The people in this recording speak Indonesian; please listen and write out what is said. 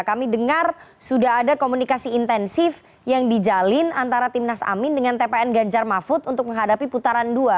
kami dengar sudah ada komunikasi intensif yang dijalin antara timnas amin dengan tpn ganjar mahfud untuk menghadapi putaran dua